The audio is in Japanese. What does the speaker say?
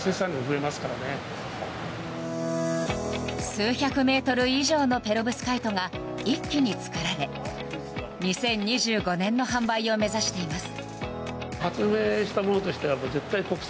数百メートル以上のペロブスカイトが一気に作られ２０２５年の販売を目指しています。